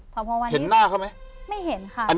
เพราะวันที่สองเห็นหน้าเขาไหม